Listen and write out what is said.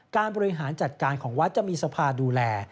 บริหารจัดการของวัดจะมีสภาดูแล